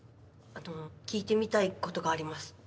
あと聞いてみたいことがあります。